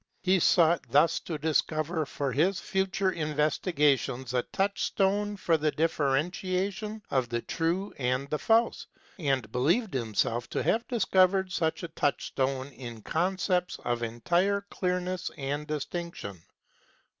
He sought thus to discover 40 KNOWLEDGE AND LIFE for his future investigations a touchstone for the differentiation of the true and the false, and believed himself to have discovered such a touchstone in concepts of entire clear ness and distinctness.